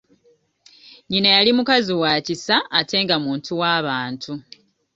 Nnyina yali mukazi wa kisa ate nga muntu wabantu.